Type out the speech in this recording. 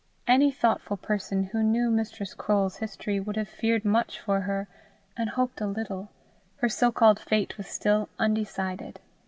Any thoughtful person who knew Mistress Croale's history, would have feared much for her, and hoped a little: her so called fate was still undecided.